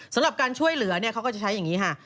สำหรับการช่วยเหลือเขาก็จะใช้อย่างนี้ค่ะ